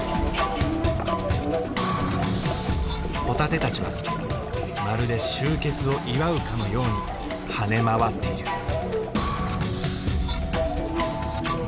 ホタテたちはまるで集結を祝うかのように跳ね回っている。